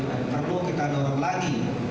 perlu kita dorong lagi